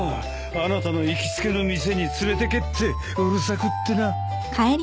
「あなたの行きつけの店に連れてけ」ってうるさくってな。